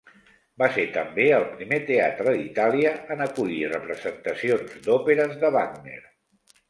Va ser també el primer teatre d'italià en acollir representacions d'òperes de Wagner.